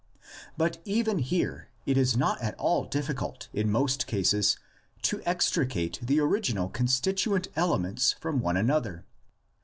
But even here it is not at all difficult in most cases to extricate the original constituent elements from one another.